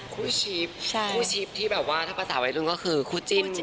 คู่ชิปคู่ชิปที่แบบว่าถ้าประสาทไว้ลุงก็คือคู่จิ้น